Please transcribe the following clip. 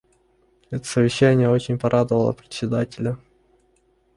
Это Совещание очень порадовало Председателя.